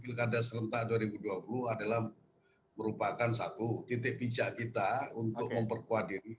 pilkada serentak dua ribu dua puluh adalah merupakan satu titik bijak kita untuk memperkuat diri